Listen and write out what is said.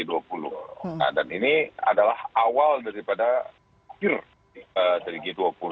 dan ini adalah awal daripada g dua puluh